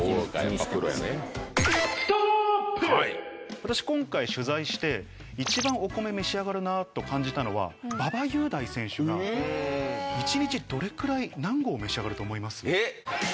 私、今回取材して、一番お米を召し上がるなと感じたのは、馬場雄大選手が、１日どれぐらい、何合召し上がると思います？